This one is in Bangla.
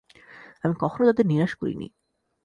আমি কখনো তাদের নিরাশ করিনি।